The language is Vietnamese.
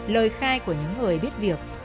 lời khai của những người biết việc